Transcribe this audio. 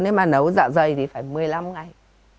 nếu mà nấu dạ dày thì phải một mươi năm ngày